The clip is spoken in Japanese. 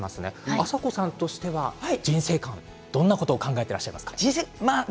あさこさんとしては人生観どんなことを考えていますか。